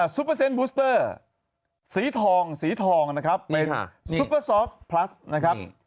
ซุปเปอร์เซ็นต์บูสเตอร์สีทองสีทองนะครับเป็นซุปเปอร์ซอฟพลัสนะครับ